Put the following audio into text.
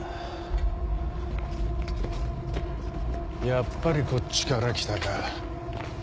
やっぱりこっちから来たか。